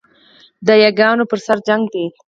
د یاګانو پر سر جنګ دی